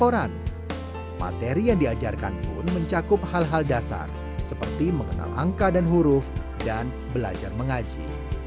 dan di rumah koran materi yang diajarkan pun mencakup hal hal dasar seperti mengenal angka dan huruf dan belajar mengaji